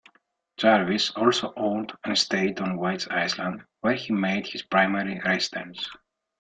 Jarvis also owned an estate on Whites Island, where he made his primary residence.